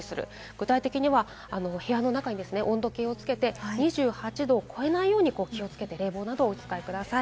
具体的に部屋の中に温度計をつけて２８度を超えないように気をつけて冷房などをお使いください。